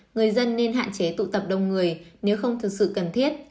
người dân nên hạn chế tụ tập đông người nếu không thực sự cần thiết